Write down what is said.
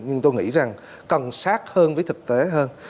nhưng tôi nghĩ rằng cần sát hơn với thực tế hơn